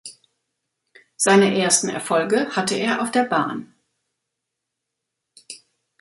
Seine ersten Erfolge hatte er auf der Bahn.